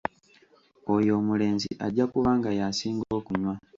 Oyo omulenzi ajja kuba nga yasinga okunywa.